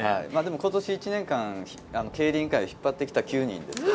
今年１年間、競輪界を引っ張ってきた９人ですからね。